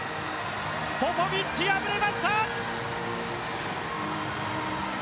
ポポビッチ敗れました！